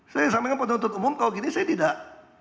saya sampaikan penuntut umum kalau gini saya tidak